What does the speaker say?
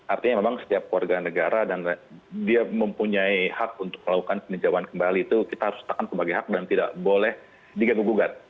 artinya memang setiap warga negara dan dia mempunyai hak untuk melakukan peninjauan kembali itu kita harus tetapkan sebagai hak dan tidak boleh diganggu gugat